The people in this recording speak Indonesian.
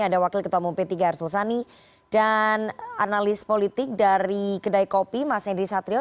ada wakil ketua umum p tiga arsul sani dan analis politik dari kedai kopi mas henry satrio